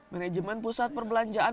manajemen pusat perbelanjaan